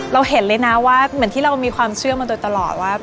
เห็นเลยนะว่าเหมือนที่เรามีความเชื่อมาโดยตลอดว่า